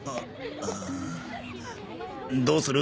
どうする？